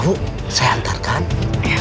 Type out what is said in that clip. aku harus melakukan penyelamatkan mereka